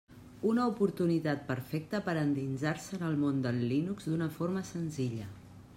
Una oportunitat perfecta per endinsar-se en el món de Linux d'una forma senzilla.